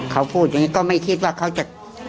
เขาพูดอย่างนี้ก็ไม่คิดว่าเขาจะ